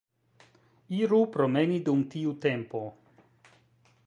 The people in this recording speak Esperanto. Iru promeni dum tiu tempo.